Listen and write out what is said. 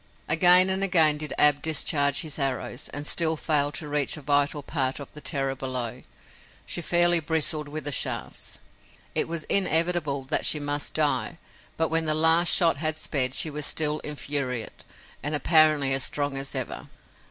Again and again did Ab discharge his arrows and still fail to reach a vital part of the terror below. She fairly bristled with the shafts. It was inevitable that she must die, but when the last shot had sped she was still infuriate and, apparently, as strong as ever.